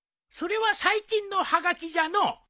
それは最近のはがきじゃのう。